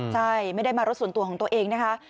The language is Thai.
ใช่ไม่ได้มารถส่วนตัวของตัวเองนะคะ